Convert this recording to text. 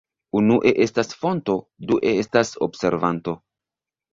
Unue estas fonto, due estas observanto.